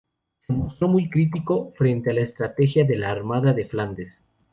Se mostró muy crítico frente a la estrategia de la armada de Flandes.